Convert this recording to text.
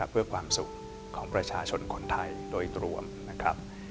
เพื่อความสุขของประชาชนคนไทยโดยรวมนะครับ